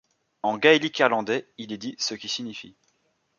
En gaélique irlandais, il est dit ' ce qui signifie '.